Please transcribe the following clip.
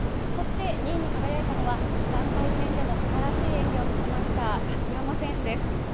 そして２位に輝いたのは団体でもすばらしい演技を見せました鍵山優真選手です。